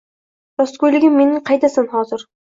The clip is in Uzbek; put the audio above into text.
Rostgo‘yligim mening qaydasan hozir?!